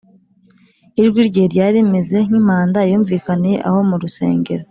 ’ ijwi rye ryari rimeze nk’impanda yumvikaniye aho mu rusengero